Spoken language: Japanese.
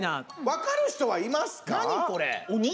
分かる人はいますか？